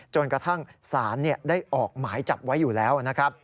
จนกระทั่งศาลได้ออกหมายจับไว้อยู่แล้วนะครับ